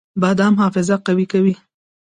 بادام حافظه قوي کوي